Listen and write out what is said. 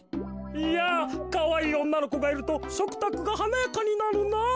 いやかわいいおんなのこがいるとしょくたくがはなやかになるなぁ。